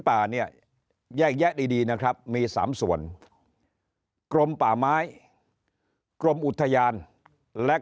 ป่าเนี่ยแยกแยะดีดีนะครับมี๓ส่วนกรมป่าไม้กรมอุทยานและ